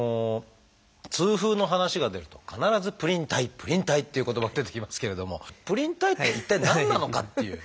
痛風の話が出ると必ず「プリン体」「プリン体」っていう言葉出てきますけれどもプリン体って一体何なのかっていう。